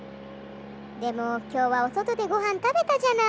でもきょうはおそとでごはんたべたじゃない。